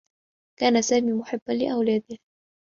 كان سامي محبّا لأولاده.